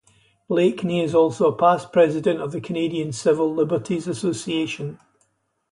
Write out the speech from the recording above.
Blakeney is also a past president of the Canadian Civil Liberties Association.